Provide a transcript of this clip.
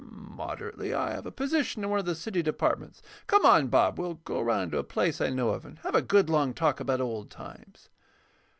"Moderately. I have a position in one of the city departments. Come on, Bob; we'll go around to a place I know of, and have a good long talk about old times."